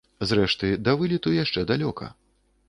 Зрэшты, да вылету яшчэ далёка.